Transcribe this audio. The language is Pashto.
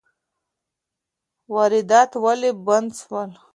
واردات ولي بند سول؟